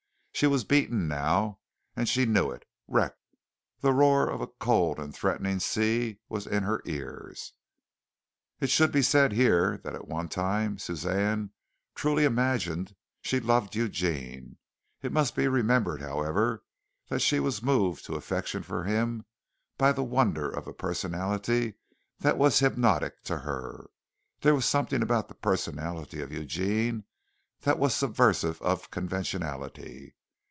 She was beaten now, and she knew it wrecked. The roar of a cold and threatening sea was in her ears. It should be said here that at one time Suzanne truly imagined she loved Eugene. It must be remembered, however, that she was moved to affection for him by the wonder of a personality that was hypnotic to her. There was something about the personality of Eugene that was subversive of conventionality.